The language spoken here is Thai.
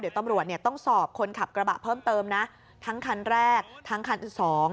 เดี๋ยวตำรวจเนี่ยต้องสอบคนขับกระบะเพิ่มเติมนะทั้งคันแรกทั้งคันอีกสอง